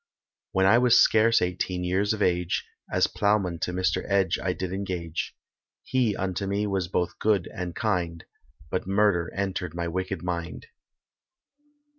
When I was scarce eighteen years of age, As ploughman to Mr Edge I did engage, He unto me was both good and kind, But murder entered my wicked mind.